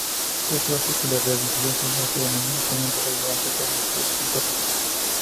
Esto hace que la radiación solar sea mínimamente relevante para los procesos internos.